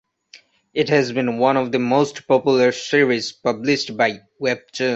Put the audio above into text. It has been one of the most popular series published by Webtoon.